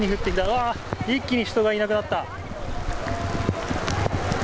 うわー、一気に人がいなくなった。